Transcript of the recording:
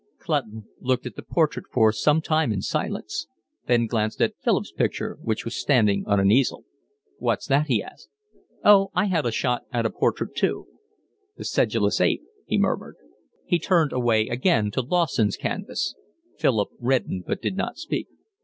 Clutton looked at the portrait for some time in silence, then glanced at Philip's picture, which was standing on an easel. "What's that?" he asked. "Oh, I had a shot at a portrait too." "The sedulous ape," he murmured. He turned away again to Lawson's canvas. Philip reddened but did not speak.